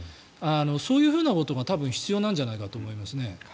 そういうことが多分、必要なんじゃないかと思いますね。